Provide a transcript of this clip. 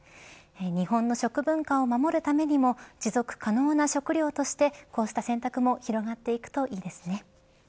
日本の食文化を守るためにも持続可能な食料としてこうした選択も広がっていくといいですね。